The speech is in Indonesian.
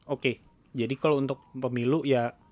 oke jadi kalau untuk pemilu ya